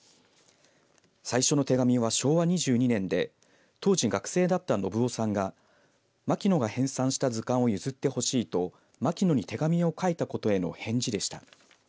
最初の手紙は昭和２２年で当時学生だった信夫さんが牧野が編さんした図鑑を譲ってほしいと牧野に手紙を書いたことへの返事でした。